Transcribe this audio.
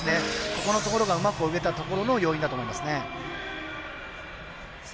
ここのところがうまく泳げたところの要因だと思います。